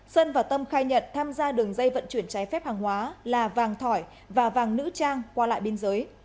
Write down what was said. sơn và tâm khai nhận tham gia đường dây vận chuyển trái phép hàng hóa là vàng thỏi và vàng nữ trang qua lại biên giới